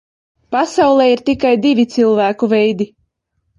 Pasaulē ir tikai divi cilvēku veidi.